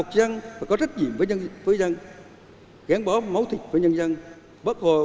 gần hai người mang thương tật